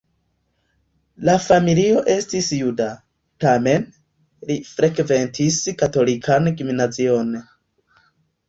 La familio estis juda, tamen li frekventis katolikan gimnazion.